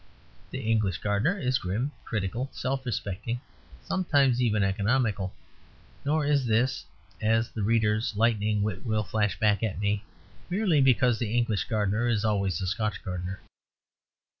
The English gardener is grim, critical, self respecting; sometimes even economical. Nor is this (as the reader's lightning wit will flash back at me) merely because the English gardener is always a Scotch gardener.